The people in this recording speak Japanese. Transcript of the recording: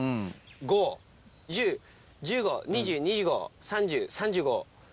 ５・１０・１５・２０２５・３０・３５・４０。